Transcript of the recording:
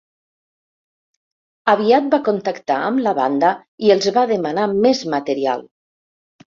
Aviat va contactar amb la banda i els va demanar més material.